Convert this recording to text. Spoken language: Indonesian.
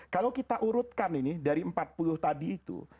kalau kita urutkan ini dari empat puluh tadi itu